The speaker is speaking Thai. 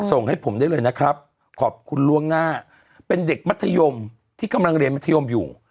ส่งให้ผมได้เลยนะครับขอบคุณล่วงหน้าเป็นเด็กมัธยมที่กำลังเรียนมัธยมอยู่